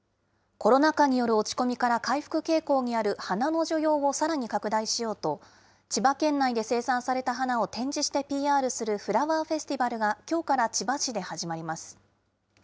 コロナ禍による落ち込みから回復傾向にある花の需要をさらに拡大しようと、千葉県内で生産された花を展示してＰＲするフラワーフェスティバルがきょうから千葉市で始まります。